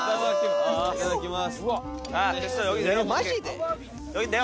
いただきます！